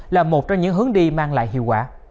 là một trong những hướng đi mang lại hiệu quả